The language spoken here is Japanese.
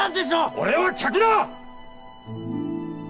俺は客だ！